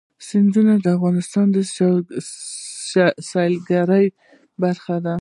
سیندونه د افغانستان د سیلګرۍ برخه ده.